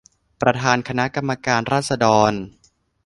ประธานคณะกรรมการราษฎร